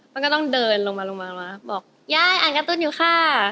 ปั้นก็ต้องเดินลงมาบอกยายอ่านการ์ตูนอยู่ค่ะ